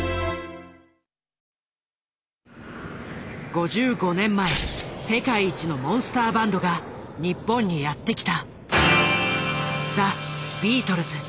５５年前世界一のモンスターバンドが日本にやってきた。